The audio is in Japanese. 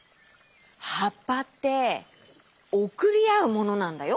はっぱっておくりあうものなんだよ！